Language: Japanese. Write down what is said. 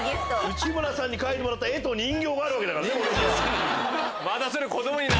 内村さんに描いてもらった絵と人形があるわけだからね俺には。